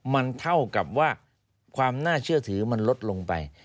มันเท่ากับว่าความน่าเชื่อถือมันลดลงไป